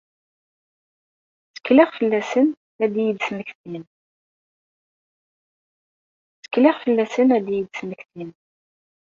Ttekleɣ fell-asen ad iyi-d-smektin.